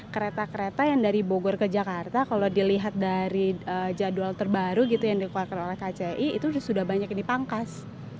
kereta kereta yang dari bogor ke jakarta kalau dilihat dari jadwal terbaru gitu yang dikeluarkan oleh kci itu sudah banyak yang dipangkas